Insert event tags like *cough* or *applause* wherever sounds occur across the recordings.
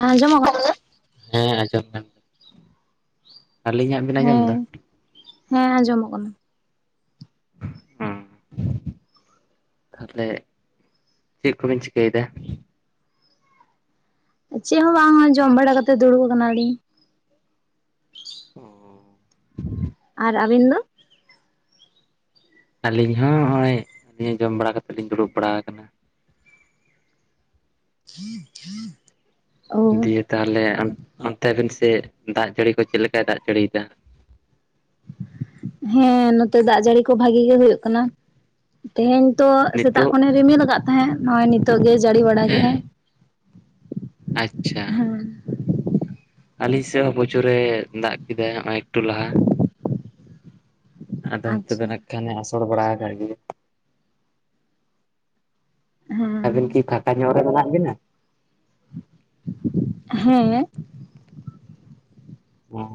ᱦᱮᱸ ᱟᱸᱡᱚᱢᱚᱜ ᱼᱼ *unintelligible* ᱦᱮᱸ ᱟᱸᱡᱚᱢ ᱧᱟᱢ ᱟᱹᱞᱤᱧᱟᱜ ᱵᱤᱱ ᱟᱸᱡᱚᱢ ᱮᱫᱟ? ᱦᱮᱸ, ᱦᱮᱸ ᱟᱸᱡᱚᱢᱚᱜ ᱠᱟᱱᱟ। ᱦᱩᱸ *inaudible* ᱛᱟᱦᱞᱮ ᱪᱮᱫ ᱠᱚ ᱵᱤᱱ ᱪᱤᱠᱟᱹᱭᱮᱫᱟ? ᱪᱮᱫ ᱦᱚᱸ ᱵᱟᱝᱟ ᱡᱚᱢ ᱵᱟᱲᱟ ᱠᱟᱛᱮ ᱫᱩᱲᱩᱵ ᱠᱟᱱᱟᱞᱤᱧ। ᱟᱨ ᱟᱹᱵᱤᱱ ᱫᱚ? ᱟᱹᱞᱤᱧ ᱦᱚᱸ ᱱᱚᱜᱼᱚᱭ ᱟᱹᱞᱤᱧ ᱦᱚᱸ ᱡᱚᱢ ᱵᱟᱲᱟ ᱠᱟᱛᱮᱫ ᱞᱤᱧ ᱫᱩᱲᱩᱵ ᱵᱟᱲᱟ ᱟᱠᱟᱱᱟ। *unintelligible* ᱚ ᱫᱤᱭᱮ ᱛᱟᱦᱚᱞᱮ ᱚᱱᱛᱮ ᱟᱵᱤᱱ ᱥᱮᱜ ᱫᱟᱜ ᱡᱟᱹᱲᱤ ᱠᱚ ᱪᱮᱫ ᱞᱮᱠᱟᱭ ᱫᱟᱜ ᱡᱟᱹᱲᱤᱭᱮᱫᱟ? ᱦᱮᱸ ᱱᱚᱛᱮ ᱫᱟᱜ ᱡᱟᱹᱲᱤ ᱠᱚ ᱵᱷᱟᱜᱤ ᱜᱮ ᱦᱩᱭᱩᱜ ᱠᱟᱱᱟ। ᱛᱮᱦᱮᱧ ᱛᱚ ᱥᱮᱛᱟᱜ ᱱᱤᱛᱚᱜ? ᱠᱷᱚᱱᱮ ᱨᱤᱢᱤᱞ ᱠᱟᱜ ᱛᱟᱦᱮᱸᱫ ᱱᱚᱜᱼᱚᱭ ᱱᱤᱛᱚᱜ ᱜᱮ ᱡᱟᱹᱲᱤ ᱵᱟᱲᱟ ᱠᱮᱫᱼᱟᱭ। ᱟᱪᱪᱷᱟ, ᱦᱮᱸ ᱟᱹᱞᱤᱧ ᱥᱮᱫ ᱦᱚᱸ ᱯᱨᱚᱪᱩᱨᱮ ᱫᱟᱜ ᱠᱮᱫᱟᱭ ᱦᱚᱸᱼᱚᱭ ᱮᱠᱴᱩ ᱞᱟᱦᱟ। ᱟᱫᱚ ᱱᱤᱛᱚᱜ ᱟᱪᱪᱷᱟ ᱫᱚ ᱱᱟᱜ ᱠᱷᱟᱱᱮ ᱟᱥᱚᱲ ᱵᱟᱲᱟ ᱟᱠᱟᱫ ᱜᱮ *inaudible* *inaudible* ᱦᱮᱸ ᱟᱵᱤᱱ ᱠᱤ ᱯᱷᱟᱠᱟ ᱧᱚᱜ ᱨᱮ ᱢᱮᱱᱟᱜ ᱵᱤᱱᱟ? ᱦᱮᱸ ᱚᱸᱻ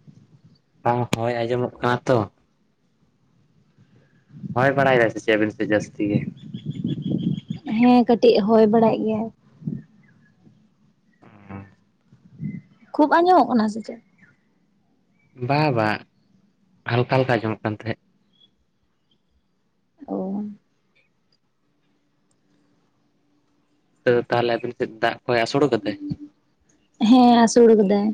*inaudible* ᱵᱟᱝ ᱦᱳᱭ ᱟᱸᱡᱚᱢᱚᱜ ᱠᱟᱱᱟ ᱛᱚ। ᱦᱳᱭ ᱵᱟᱲᱟ ᱮᱫᱟᱭ ᱥᱮ ᱪᱮᱫ ᱟᱹᱵᱤᱱ ᱥᱮᱫ ᱡᱟᱹᱥᱛᱤ ᱜᱮ? ᱦᱮᱸ ᱠᱟᱹᱴᱤᱡ ᱦᱚᱭ ᱵᱟᱲᱟᱭ ᱜᱮᱭᱟᱭ। ᱠᱷᱩᱵ ᱟᱸᱡᱚᱢᱚᱜ ᱠᱟᱱᱟ ᱥᱮ ᱪᱮᱫ? ᱵᱟ ᱵᱟᱝ ᱦᱟᱞᱠᱟ ᱦᱟᱞᱠᱟ ᱟᱸᱡᱚᱢᱚᱜ ᱠᱟᱱ ᱛᱟᱦᱮᱸᱫ ᱾ ᱚᱻ ᱛᱚ ᱛᱟᱦᱚᱞᱮ ᱟᱵᱤᱱ ᱥᱮᱫ ᱫᱟᱜ ᱠᱚᱭ ᱟᱥᱚᱲ ᱠᱟᱫᱟᱭ? ᱦᱮᱸ ᱟᱹᱥᱩᱲ ᱠᱟᱫᱟᱭ।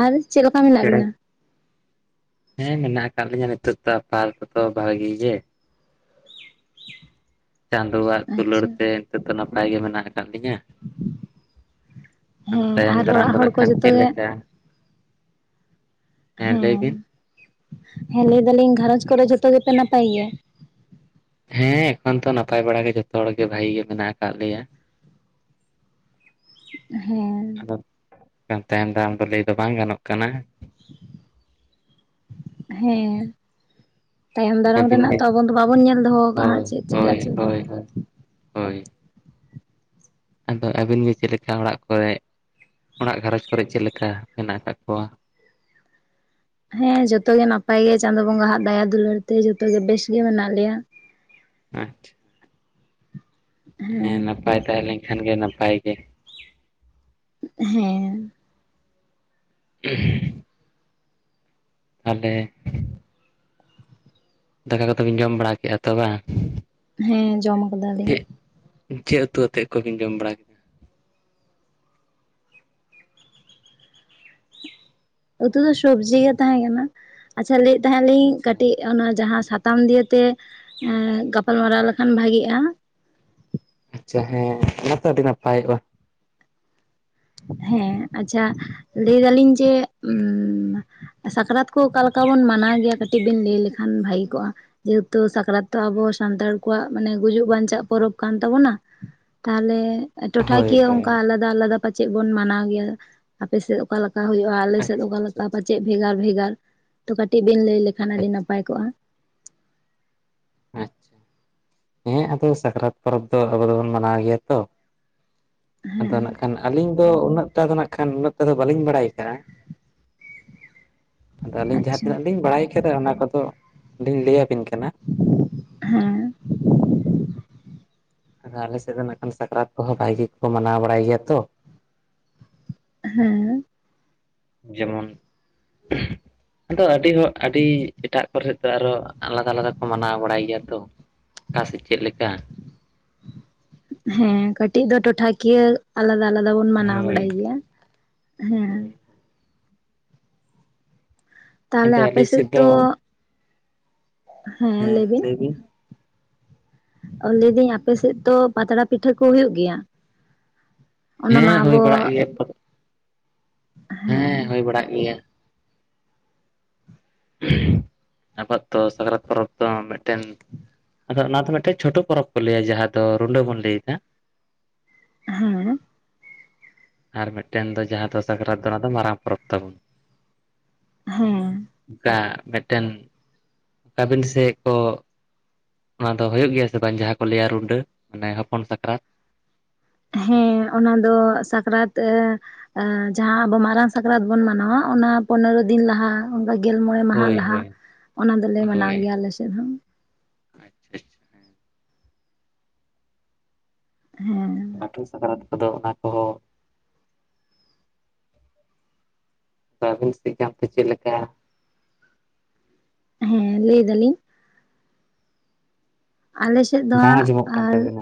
ᱟᱨ ᱪᱮᱫ ᱞᱮᱠᱟ ᱢᱮᱱᱟᱜ ᱪᱮᱬᱮ ᱵᱤᱱᱟ? ᱦᱮᱸ ᱢᱮᱱᱟᱜ ᱟᱠᱟᱫ ᱞᱤᱧᱟᱹ ᱱᱤᱛᱳᱜ ᱛᱚ ᱟᱯᱟ ᱛᱚᱛᱚ ᱵᱷᱹᱟᱜᱤ ᱜᱮ। ᱪᱟᱸᱫᱳᱣᱟᱜ ᱫᱩᱞᱟᱹᱲ ᱟᱪᱪᱷᱟ ᱛᱮ ᱱᱤᱛᱚᱜ ᱫᱚ ᱱᱟᱯᱟᱭ ᱜᱮ ᱢᱮᱱᱟᱜ ᱟᱠᱟᱫ ᱞᱤᱧᱟᱹ। ᱟᱫᱚ ᱦᱮᱸ ᱛᱟᱭᱚᱢ ᱟᱨ ᱫᱟᱨᱟᱢ ᱚᱲᱟᱜ ᱫᱚ ᱦᱚᱲ ᱱᱟᱜ ᱠᱚ ᱠᱷᱟᱱ ᱡᱚᱛᱚ ᱪᱮᱫ ᱜᱮ ᱞᱮᱠᱟ? ᱞᱟᱹᱭ ᱦᱮᱸ, ᱵᱤᱱ? ᱦᱮᱸ ᱞᱟᱹᱭ ᱫᱟᱞᱤᱧ ᱜᱷᱟᱨᱚᱧᱡᱽ ᱠᱚᱨᱮ ᱡᱷᱚᱛᱚ ᱜᱮᱯᱮ ᱱᱟᱯᱟᱭ ᱜᱮᱭᱟ? ᱦᱮᱸ ᱮᱠᱷᱚᱱ ᱛᱚ ᱱᱟᱯᱟᱭ ᱵᱟᱲᱟ ᱜᱮ ᱡᱷᱚᱛᱚ ᱦᱚᱲ ᱜᱮ ᱵᱷᱟᱜᱤ ᱜᱮ ᱢᱮᱱᱟᱜ ᱟᱠᱟᱫ ᱞᱮᱭᱟ। ᱦᱮᱸ ᱾ ᱠᱟ ᱛᱟᱭᱚᱢ ᱫᱟᱨᱟᱢ ᱫᱚ ᱞᱟᱹᱭ ᱫᱚ ᱵᱟᱝ ᱜᱟᱱᱚᱜ ᱠᱟᱱᱟ᱾ ᱦᱮᱸ᱾ ᱛᱟᱭᱚᱢ ᱫᱟᱨᱟᱢ ᱟᱹᱵᱤᱱ ᱨᱮᱱᱟᱜ ᱜᱮ ᱛᱚ ᱟᱵᱚ ᱫᱚ ᱵᱟᱵᱚᱱ ᱧᱮᱞ ᱫᱚᱦᱚᱣ ᱠᱟᱜᱼᱟ ᱦᱟᱸᱜ ᱦᱳᱭ ᱪᱮᱫ ᱦᱳᱭ ᱪᱤᱠᱟᱜ-ᱟ ᱪᱮᱜ ᱵᱟᱝ? ᱦᱳᱭ ᱦᱳᱭ᱾ ᱟᱫᱚ ᱟᱹᱵᱤᱱ ᱜᱮ ᱪᱮᱫ ᱞᱮᱠᱟ ᱚᱲᱟᱜ ᱠᱚᱨᱮᱜ, ᱚᱲᱟᱜ ᱜᱷᱟᱨᱚᱸᱡᱽ ᱠᱚᱨᱮ ᱪᱮᱫ ᱞᱮᱠᱟ ᱢᱮᱱᱟᱜ ᱟᱠᱟᱜ ᱠᱚᱣᱟ? ᱦᱮᱸ ᱡᱚᱛᱚ ᱜᱮ ᱱᱟᱯᱟᱭ ᱜᱮ ᱪᱟᱸᱫᱳ ᱵᱚᱸᱜᱟ ᱦᱟᱜ ᱫᱟᱭᱟ ᱫᱩᱞᱟᱹᱲ ᱛᱮ ᱡᱚᱛᱚ ᱜᱮ ᱵᱮᱥ ᱜᱮ ᱢᱮᱱᱟᱜ ᱞᱮᱭᱟ᱾ ᱟᱸᱪᱪᱷᱟ ᱾ ᱦᱮᱸ ᱱᱟᱯᱟᱭ ᱛᱟᱦᱮᱸ ᱞᱮᱱ ᱠᱷᱟᱱ ᱜᱮ ᱱᱟᱯᱟᱭ ᱜᱮ᱾ ᱦᱮᱸ᱾ *inaudible* ᱛᱟᱞᱦᱮ ᱫᱟᱠᱟ ᱠᱚᱛᱚ ᱵᱤᱱ ᱡᱚᱢ ᱵᱟᱲᱟ ᱠᱮᱜᱼᱟ ᱛᱚ ᱵᱟᱝ? ᱦᱮᱸ, ᱡᱚᱢ ᱟᱠᱟᱫᱟ ᱞᱤᱧ᱾ ᱪᱮᱜ ᱩᱛᱩ ᱟᱛᱮᱜ ᱠᱚᱵᱤᱱ ᱡᱚᱢ ᱵᱟᱲᱟ ᱩᱛᱩ ᱫᱚ ᱥᱚᱵᱽᱡᱤ ᱜᱮ ᱛᱟᱦᱮᱸ ᱠᱟᱱᱟ ᱾ ᱟᱪᱪᱷᱟ ᱞᱟᱹᱭᱮᱫ ᱛᱟᱦᱮᱸᱱ ᱞᱤᱧ ᱟᱪᱪᱷᱟ ᱠᱟᱴᱤᱡ ᱚᱱᱟ ᱡᱟᱦᱟᱸ ᱥᱟᱛᱟᱢ ᱫᱤᱭᱮ ᱛᱮ ᱮᱸ ᱜᱟᱯᱟᱞ ᱢᱟᱨᱟᱣ ᱞᱮᱠᱷᱟᱱ ᱵᱷᱟᱜᱤᱜᱼᱟ ᱾ ᱟᱪᱪᱷᱟ ᱦᱮᱸ, ᱚᱱᱟ ᱛᱚ ᱟᱹᱰᱤ ᱱᱟᱯᱟᱭᱚᱜᱼᱟ᱾ ᱦᱮᱸ, ᱟᱪᱪᱷᱟ ᱞᱟᱹᱭ ᱫᱟᱞᱤᱧ ᱡᱮ ᱩᱸᱢ ᱥᱟᱠᱨᱟᱛ ᱠᱚ ᱚᱠᱟ ᱞᱮᱠᱟ ᱵᱚᱱ ᱢᱟᱱᱟᱣ ᱜᱮᱭᱟ ᱠᱟᱹᱴᱤᱡ ᱵᱤᱱ ᱞᱮᱭ ᱞᱮᱠᱷᱟᱱ ᱵᱷᱟᱜᱤ ᱠᱚᱜᱼᱟ? ᱡᱮᱦᱮᱛᱩ ᱥᱟᱠᱨᱟᱛ ᱛᱚ ᱟᱵᱚ ᱥᱟᱱᱛᱟᱲ ᱠᱚᱣᱟᱜ ᱢᱟᱱᱮ ᱜᱩᱡᱩᱜ ᱵᱟᱧᱪᱟᱜ ᱯᱚᱨᱚᱵᱽ ᱠᱟᱱ ᱛᱟᱵᱚᱱᱟ ᱾ ᱛᱟᱦᱚᱞᱮ ᱴᱚᱴᱷᱟ ᱦᱳᱭ ᱠᱤᱭᱟᱹ ᱦᱳᱭ ᱚᱝᱠᱟ ᱟᱞᱟᱫᱟ ᱟᱞᱟᱫᱟ ᱯᱟᱪᱮᱜ ᱵᱚᱱ ᱢᱟᱱᱟᱣ ᱜᱮᱭᱟ! ᱟᱯᱮ ᱥᱮᱫ ᱚᱠᱟ ᱞᱮᱠᱟ ᱦᱳᱭᱳᱜᱼᱟ ᱟᱞᱮ ᱥᱮᱫ ᱟᱪᱪᱷᱟ ᱚᱠᱟ ᱟᱪᱪᱷᱟ ᱞᱮᱠᱟ ᱯᱟᱪᱮᱜ ᱵᱷᱮᱜᱟᱨ ᱵᱷᱮᱜᱟᱨ? ᱛᱚ ᱠᱟᱴᱤᱡ ᱵᱤᱱ ᱞᱮᱭ ᱞᱮᱠᱷᱟᱱ ᱟᱹᱰᱤ ᱟᱪᱪᱷᱟ ᱱᱟᱯᱟᱭ ᱠᱚᱜᱼᱟ ᱾ ᱟᱸᱪᱪᱷᱟ, ᱦᱮᱸ ᱟᱫᱚ ᱥᱟᱠᱨᱟᱛ ᱯᱚᱨᱚᱵᱽ ᱫᱚ ᱟᱵᱚ ᱫᱚᱵᱚᱱ ᱢᱟᱱᱟᱣ ᱜᱮᱭᱟ ᱛᱚ ᱾ ᱟᱫᱚ ᱦᱮᱸ ᱱᱟᱜ ᱠᱷᱟᱱ ᱟᱞᱤᱧ ᱫᱚ ᱩᱱᱟᱹᱜ ᱴᱟ ᱫᱚ ᱱᱟᱜ ᱠᱷᱟᱱ ᱩᱱᱟᱹᱜ ᱴᱟ ᱫᱚ ᱵᱟᱞᱤᱧ ᱵᱟᱲᱟᱭ ᱠᱟᱜᱼᱟ, ᱟᱫᱚ ᱟᱹᱞᱤᱧ ᱡᱟᱦᱟᱸ ᱟᱪᱪᱷᱟ ᱛᱤᱱᱟᱹᱜ ᱞᱤᱧ ᱵᱟᱲᱟᱭ ᱠᱷᱮᱨ ᱚᱱᱟ ᱠᱚᱫᱚ ᱞᱤᱧ ᱞᱟᱹᱭᱟ ᱵᱤᱱ ᱠᱟᱱᱟ᱾ ᱦᱮᱸ᱾ ᱟᱫᱚ ᱟᱞᱮ ᱥᱮᱜ ᱫᱚ ᱱᱟᱜ ᱠᱷᱟᱱ ᱥᱟᱠᱨᱟᱛ ᱠᱚᱦᱚᱸ ᱵᱷᱟᱜᱤ ᱠᱚ ᱢᱟᱱᱟᱣ ᱵᱟᱲᱟᱭ ᱜᱮᱭᱟ ᱛᱚ᱾ ᱦᱮᱸᱻ ᱾ ᱡᱮᱢᱚᱱ ᱟᱫᱚ ᱟᱹᱰᱤ ᱦᱚᱲ ᱟᱹᱰᱤ ᱮᱴᱟᱜ ᱠᱚᱨᱮᱫ ᱫᱚ ᱟᱨᱚ ᱟᱞᱟᱫᱟ ᱟᱞᱟᱫᱟ ᱠᱚ ᱢᱟᱱᱟᱣ ᱵᱟᱲᱟᱭ ᱜᱮᱭᱟ ᱛᱚ᱾ ᱚᱠᱟ ᱥᱮᱡ ᱪᱮᱜ ᱞᱮᱠᱟ᱾ ᱦᱮᱸ ᱠᱟᱹᱴᱤᱡ ᱫᱚ ᱴᱚᱴᱷᱟ ᱠᱤᱭᱟᱹ ᱟᱞᱟᱫᱟ ᱟᱞᱟᱫᱟ ᱵᱚᱱ ᱢᱟᱱᱟᱣ ᱵᱟᱲᱟᱭ ᱦᱳᱭ ᱜᱮᱭᱟ᱾ ᱦᱮᱸ᱾ ᱦᱳᱭ ᱛᱟᱦᱚᱞᱮ ᱟᱫᱚ ᱟᱯᱮ ᱟᱹᱞᱤᱧ ᱥᱮᱜ ᱥᱮᱫ ᱫᱚ ᱛᱚ ᱦᱮᱸ ᱞᱟᱹᱭ ᱵᱤᱱ᱾ ᱚ ᱞᱟᱹᱭ ᱫᱟᱹᱧ ᱟᱯᱮ ᱥᱮᱜ ᱛᱚ ᱯᱟᱛᱲᱟ ᱯᱤᱴᱷᱟᱹ ᱠᱚ ᱦᱩᱭᱩᱜ ᱜᱮᱭᱟ? ᱚᱱᱟ ᱢᱟ ᱦᱮᱸ ᱦᱚᱭ ᱟᱵᱚ ᱵᱟᱲᱟᱜ ᱜᱮᱭᱟ ᱯᱟᱛ ᱦᱮᱸ ᱦᱩᱭ ᱵᱟᱲᱟᱜ ᱜᱮᱭᱟ᱾ ᱟᱵᱚᱣᱟᱜ ᱛᱚ ᱥᱟᱠᱨᱟᱛ ᱯᱚᱨᱚᱵᱽ ᱫᱚ ᱢᱮᱫᱴᱮᱱ ᱟᱫᱚ ᱚᱱᱟ ᱫᱚ ᱢᱤᱫᱴᱮᱡ ᱪᱷᱚᱴᱚ ᱯᱚᱨᱚᱵᱽ ᱠᱚ ᱞᱟᱹᱭᱟ ᱡᱟᱦᱟᱸ ᱫᱚ ᱨᱩᱱᱰᱟᱹ ᱵᱚᱱ ᱞᱟᱹᱭ ᱫᱟ᱾ ᱦᱮᱸ᱾ ᱟᱨ ᱢᱤᱫᱴᱮᱱ ᱫᱚ ᱡᱟᱸᱦᱟ ᱫᱚ ᱥᱟᱠᱨᱟᱛ ᱫᱚ ᱚᱱᱟ ᱫᱚ ᱢᱟᱨᱟᱝ ᱯᱚᱨᱚᱵᱽ ᱛᱟᱵᱚᱱ᱾ ᱦᱮᱸ᱾ ᱚᱱᱠᱟ ᱢᱮᱫᱴᱮᱱ ᱟᱵᱤᱱ ᱥᱮᱜ ᱠᱚ ᱱᱚᱣᱟ ᱫᱚ ᱦᱩᱭᱩᱜ ᱜᱮᱭᱟ ᱥᱮ ᱵᱟᱝ ᱡᱟᱸᱦᱟᱸ ᱠᱚ ᱞᱟᱹᱭᱟ ᱨᱩᱱᱰᱟᱹ ᱢᱟᱱᱮ ᱦᱚᱯᱚᱱ ᱥᱟᱠᱨᱟᱛ? ᱦᱮᱸ ᱚᱱᱟ ᱫᱚ ᱥᱟᱠᱨᱟᱛ ᱮ ᱼᱼ ᱮ ᱡᱟᱦᱟᱸ ᱟᱵᱚ ᱢᱟᱨᱟᱝ ᱥᱟᱠᱨᱟᱛ ᱵᱚᱱ ᱢᱟᱱᱟᱣᱟ, ᱚᱱᱟ ᱯᱚᱱᱮᱨᱚ ᱫᱤᱱ ᱞᱟᱦᱟ ᱚᱱᱠᱟ ᱜᱮᱞ ᱢᱚᱬᱮ ᱢᱟᱦᱟ ᱦᱳᱭ ᱞᱟᱦᱟ, ᱦᱳᱭ ᱚᱱᱟ ᱫᱚᱞᱮ ᱢᱟᱱᱟᱣ ᱦᱳᱭ ᱜᱮᱭᱟ ᱟᱞᱮ ᱥᱮᱫ ᱦᱚᱸ ᱟᱪᱪᱷᱟ ᱟᱪᱪᱷᱟ ᱦᱮᱸ᱾ ᱦᱮᱸ ᱞᱟᱹᱴᱩ ᱥᱟᱠᱨᱟᱛ ᱠᱚᱫᱚ ᱚᱱᱟ ᱠᱚᱦᱚᱸ ᱟᱹᱵᱤᱱ ᱥᱮᱛ ᱜᱮ ᱚᱱᱠᱟ ᱪᱮᱫ ᱞᱮᱠᱟ? ᱦᱮᱸ ᱞᱟᱹᱭ ᱮᱫᱟᱞᱤᱧ᱾ ᱟᱞᱮᱥᱮᱫ ᱫᱚ, ᱵᱟᱝ ᱦᱟᱸᱜ ᱟᱸᱡᱚᱢᱚᱜ ᱠᱟᱱ ᱟᱨ ᱛᱟᱵᱤᱱᱟ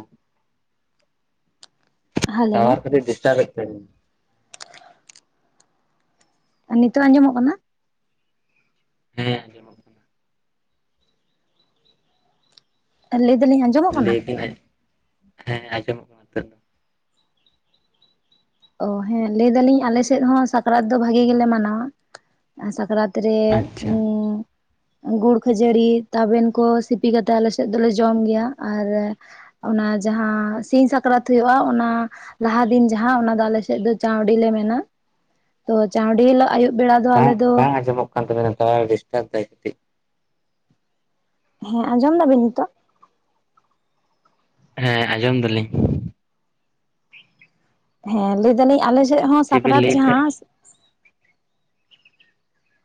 ᱦᱮᱞᱳ ᱴᱟᱣᱟᱨ ᱠᱟᱹᱴᱤᱡ ᱰᱤᱥᱴᱟᱵᱮᱜ ᱛᱟᱵᱤᱱᱟ᱾ ᱟᱨ ᱱᱤᱛᱚᱜ ᱟᱸᱡᱚᱢᱚᱜ ᱠᱟᱱᱟ᱾ ᱦᱮᱸ ᱟᱸᱡᱚᱢᱚᱜ ᱠᱟᱱᱟ᱾ ᱟᱨ ᱞᱟᱹᱭ ᱫᱟᱞᱤᱧ ᱟᱸᱡ ᱞᱟᱹᱭ ᱵᱤᱱ ᱦᱮᱸ ᱟᱸᱡᱚᱢ *inaudible* ᱚ ᱦᱮᱸ ᱞᱟᱹᱭ ᱫᱟᱞᱤᱧ ᱟᱞᱮᱥᱮᱫ ᱦᱚᱸ ᱥᱟᱠᱨᱟᱛ ᱫᱚ ᱵᱷᱟᱜᱤ ᱜᱮᱞᱮ ᱢᱟᱱᱟᱣᱟ᱾ ᱥᱟᱠᱨᱟᱛ ᱨᱮ ᱟᱪᱪᱷᱟ ᱩᱸ ᱜᱩᱲ ᱠᱷᱟᱹᱡᱟᱹᱲᱤ ᱛᱟᱵᱮᱱ ᱠᱚ ᱥᱤᱯᱤ ᱠᱟᱛᱮᱜ ᱟᱞᱮ ᱥᱮᱫ ᱫᱚᱞᱮ ᱡᱚᱢ ᱜᱮᱭᱟ ᱟᱨ ᱚᱱᱟ ᱡᱟᱸᱦᱟᱸ ᱥᱤᱧ ᱥᱟᱠᱨᱟᱛ ᱦᱩᱭᱩᱜᱜᱼᱟ, ᱚᱱᱟ ᱞᱟᱦᱟ ᱫᱤᱱ ᱡᱟᱸᱦᱟ ᱚᱱᱟ ᱟᱞᱮ ᱥᱮᱫ ᱫᱚ ᱪᱟᱶᱰᱤ ᱞᱮ ᱢᱮᱱᱟ ᱛᱚ, ᱪᱟᱶᱰᱤ ᱦᱤᱞᱳᱜ ᱟᱭᱩᱵ ᱵᱟᱝ ᱵᱟᱝ ᱟᱸᱡᱚᱢᱚᱜ ᱠᱟᱱ ᱛᱟᱵᱤᱱᱟ ᱴᱟᱣᱟᱨ ᱰᱤᱥᱴᱟᱵᱽ ᱫᱟᱭ ᱠᱟᱹᱴᱤᱡ᱾ ᱦᱮᱸ ᱟᱸᱡᱚᱢ ᱮᱫᱟᱵᱤᱱ ᱱᱤᱛᱚᱜ᱾ ᱦᱮᱸ ᱟᱸᱡᱚᱢ ᱫᱟᱞᱤᱧ ᱦᱮᱸ ᱞᱟᱹᱭ ᱫᱟᱞᱤᱧ ᱟᱞᱮ ᱥᱮᱫ ᱦᱚᱸ ᱪᱮᱫ ᱵᱤᱱ ᱥᱟᱠᱨᱟᱛ ᱞᱟᱹᱭᱮᱫ ᱛᱟᱦᱮᱸᱫ ᱡᱟᱸᱦᱟᱸ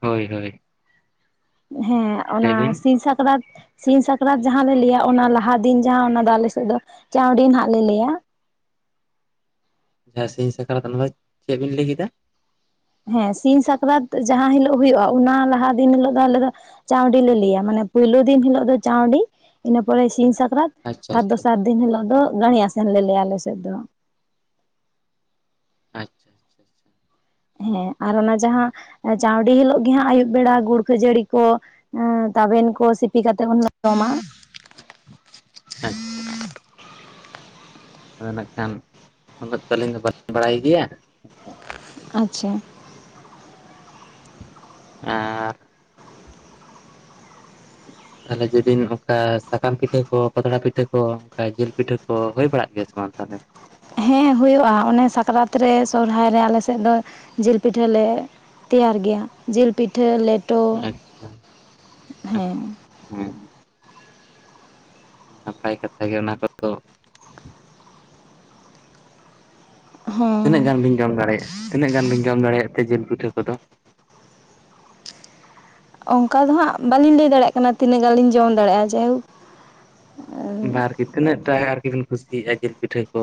ᱦᱳᱭ ᱦᱳᱭ ᱦᱮᱸ ᱚᱱᱟ ᱞᱟᱹᱭ ᱵᱤᱱ ᱥᱤᱧ ᱥᱟᱠᱨᱟᱛ ᱥᱤᱧ ᱥᱟᱠᱨᱟᱛ ᱡᱟᱸᱦᱟᱸ ᱞᱮ ᱞᱟᱹᱭᱟ ᱚᱱᱟ ᱞᱟᱦᱟ ᱫᱤᱱ ᱡᱟᱦᱟᱸ ᱚᱱᱟ ᱫᱚ ᱟᱞᱮ ᱥᱮᱫ ᱫᱚ ᱪᱟᱶᱰᱤ ᱱᱷᱟᱜ ᱞᱮ ᱞᱟᱹᱭᱟ᱾ ᱡᱟᱸᱦᱟᱸᱭ ᱥᱤᱧ ᱥᱟᱠᱨᱟᱛ ᱚᱱᱟ ᱫᱚ ᱪᱮᱫ ᱵᱤᱱ ᱞᱟᱹᱭ ᱠᱮᱫᱟ᱾ ᱦᱮᱸ ᱥᱤᱧ ᱥᱟᱠᱨᱟᱛ ᱡᱟᱸᱦᱟᱸ ᱦᱤᱞᱳᱜ ᱦᱩᱭᱩᱜᱼᱟ ᱚᱱᱟ ᱞᱟᱦᱟ ᱫᱤᱱ ᱦᱤᱞᱳ ᱫᱚ ᱟᱞᱮ ᱫᱚ, ᱪᱟᱶᱰᱤ ᱞᱮ ᱞᱟᱹᱭᱟ, ᱢᱟᱱᱮ ᱯᱩᱭᱞᱳ ᱫᱤᱱ ᱦᱤᱞᱳᱜ ᱫᱚ ᱪᱟᱶᱰᱤ, ᱤᱱᱟᱹ ᱯᱚᱨᱮ ᱥᱤᱧ ᱥᱟᱠᱨᱟᱛ ᱟᱪᱪᱷᱟ ᱟᱨ ᱟᱪᱪᱷᱟ ᱫᱚᱥᱟᱨ ᱫᱤᱱ ᱦᱤᱞᱳᱜ ᱫᱚ ᱜᱟᱹᱲᱤ ᱟᱥᱮᱱ ᱞᱮ ᱞᱟᱹᱭᱟ ᱟᱞᱮ ᱥᱮᱫ ᱫᱚ᱾ ᱟᱪᱪᱷᱟ ᱦᱮᱸ ᱟᱨ ᱚᱱᱟ ᱡᱟᱦᱟᱸ ᱪᱟᱶᱰᱤ ᱦᱤᱞᱳᱜ ᱜᱮ ᱦᱟᱸᱜ ᱟᱹᱭᱩᱵ ᱵᱮᱲᱟ ᱜᱩᱲ ᱠᱷᱟᱹᱡᱟᱹᱲᱤ ᱠᱚ ᱛᱟᱵᱮᱱ ᱠᱚ ᱥᱤᱯᱤ ᱠᱟᱛᱮᱜ ᱩᱱᱞᱮ ᱡᱚᱢᱟ ᱟᱪᱪᱷᱟ ᱟᱫᱚ ᱱᱟᱜ ᱠᱷᱟᱱ ᱩᱱᱟᱹᱜ ᱫᱚ ᱟᱹᱞᱤᱧ ᱫᱚ ᱵᱟᱹᱞᱤᱧ ᱵᱟᱲᱟᱭ ᱜᱮᱭᱟ ᱟᱪᱪᱷᱟ ᱟᱨ ᱛᱟᱦᱚᱞᱮ ᱡᱮᱫᱤᱱ ᱚᱱᱠᱟ ᱥᱟᱠᱟᱢ ᱯᱤᱴᱷᱟᱹ ᱠᱚ ᱯᱟᱛᱲᱟ ᱯᱤᱴᱷᱟᱹ ᱠᱚ ᱚᱱᱠᱟ ᱡᱤᱞ ᱯᱤᱴᱷᱟᱹ ᱠᱚ ᱦᱩᱭ ᱵᱟᱲᱟᱜ ᱜᱮᱭᱟ ᱥᱮ ᱵᱟᱝ ᱛᱟᱦᱚᱞᱮ ᱦᱮᱸ ᱦᱩᱭᱩᱜᱼᱟ ᱚᱱᱮ ᱥᱟᱠᱨᱟᱛ ᱨᱮ ᱥᱚᱨᱚᱦᱨᱟᱭ ᱨᱮ ᱟᱞᱮ ᱥᱮᱫ ᱫᱚ ᱡᱤᱞ ᱯᱤᱴᱷᱟᱹ ᱞᱮ ᱛᱮᱭᱟᱨ ᱜᱮᱭᱟ ᱡᱤᱞ ᱯᱤᱴᱷᱟᱹ ᱞᱮ ᱟᱪᱪᱷᱟ ᱟᱪᱪᱷᱟ ᱟᱪᱪᱷᱟ ᱦᱮᱸ ᱱᱟᱯᱟᱭ ᱠᱟᱛᱷᱟ ᱜᱮ ᱚᱱᱟ ᱠᱚᱫᱚ ᱛᱤᱱᱟᱹᱜ ᱦᱮᱸ ᱜᱟᱱ ᱵᱤᱱ ᱡᱚᱢ ᱫᱟᱲᱮᱭᱟᱜᱼᱟ ᱛᱤᱱᱟᱹ ᱜᱟᱱ ᱵᱤᱱ ᱡᱚᱢ ᱫᱟᱲᱮᱭᱟᱜᱼᱟ ᱛᱮ ᱡᱤᱞ ᱯᱤᱴᱷᱟᱹ ᱠᱚᱫᱚ ᱚᱱᱠᱟ ᱫᱚ ᱦᱟᱸᱜ ᱵᱟᱹᱞᱤᱧ ᱞᱟᱹᱭ ᱫᱟᱲᱮᱭᱟᱜ ᱠᱟᱱᱟ ᱛᱤᱱᱟᱹᱜ ᱜᱟᱱ ᱞᱤᱧ ᱡᱚᱢ ᱫᱟᱲᱮᱭᱟᱜᱼᱟ ᱡᱟᱭᱦᱳᱠ ᱵᱟ ᱟᱨᱠᱤ ᱛᱤᱱᱟᱹᱜ ᱴᱟ ᱟᱨᱠᱤ ᱵᱤᱱ ᱠᱩᱥᱤᱭᱟᱜᱼᱟ ᱡᱤᱞ ᱯᱤᱴᱷᱟᱹ ᱠᱚ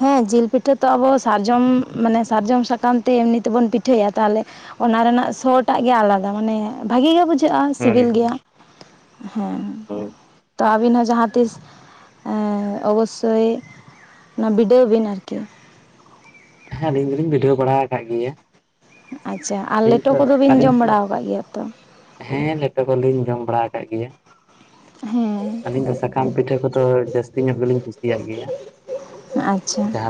ᱦᱮᱸ ᱡᱤᱞ ᱯᱤᱴᱷᱟᱹ ᱛᱚ ᱟᱵᱚ ᱥᱟᱨᱡᱚᱢ ᱢᱟᱱᱮ ᱥᱟᱨᱡᱚᱢ ᱥᱟᱠᱟᱢ ᱛᱮ ᱮᱢᱱᱤ ᱛᱮᱵᱚᱱ ᱯᱤᱴᱷᱟᱹᱭᱟ ᱛᱟᱦᱚᱞᱮ ᱚᱱᱟ ᱨᱮᱱᱟᱜ ᱥᱚᱴᱟᱜ ᱜᱮ ᱟᱞᱟᱫᱟ ᱢᱟᱱᱮ ᱵᱷᱟᱜᱤ ᱜᱮ ᱵᱩᱡᱷᱟᱹᱜᱼᱟ ᱦᱳᱭ ᱥᱤᱵᱤᱞ ᱜᱮᱭᱟ ᱦᱮᱸ ᱦᱳᱭ ᱛᱟ ᱟᱵᱤᱱ ᱦᱚᱸ ᱡᱟᱦᱟᱸ ᱛᱤᱥ ᱚᱵᱚᱥᱥᱳᱭ ᱚᱱᱟ ᱵᱤᱰᱟᱹᱣ ᱵᱤᱱ ᱟᱨᱠᱤ ᱦᱮᱸ ᱟᱞᱤᱧ ᱫᱚᱞᱤᱧ ᱵᱤᱰᱷᱟᱹᱣ ᱵᱟᱲᱟ ᱟᱠᱟᱫ ᱜᱮᱭᱟ᱾ ᱟᱪᱪᱷᱟ ᱟᱨ ᱟᱹᱞᱤᱧ ᱞᱮᱴᱚ ᱛᱚ ᱠᱚᱫᱚ ᱵᱤᱱ ᱟᱹᱞᱤᱧ ᱡᱚᱢ ᱛᱚ ᱵᱟᱲᱟ ᱟᱠᱟᱫ ᱜᱮᱭᱟ ᱛᱚ ᱦᱮᱸ ᱞᱮᱴᱚ ᱠᱚᱞᱤᱧ ᱡᱚᱢ ᱵᱟᱲᱟ ᱟᱠᱟᱫ ᱜᱮᱭᱟ᱾ ᱦᱮᱸ ᱟᱹᱞᱤᱧ ᱫᱚ ᱥᱟᱠᱟᱢ ᱯᱤᱴᱷᱟᱹ ᱠᱚᱫᱚ ᱡᱟᱹᱥᱛᱤ ᱧᱚᱜ ᱜᱮᱞᱤᱧ ᱠᱩᱥᱤᱭᱟᱜ ᱜᱮᱭᱟ, ᱟᱹᱪᱷᱟ ᱡᱟᱦᱟᱸ